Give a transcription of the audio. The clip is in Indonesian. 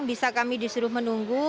bisa kami disuruh menunggu